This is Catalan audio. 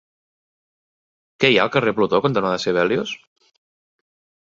Què hi ha al carrer Plutó cantonada Sibelius?